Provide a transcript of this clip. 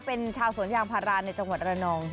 เป็นชาวสวนยางพาราในจังหวัดระนอง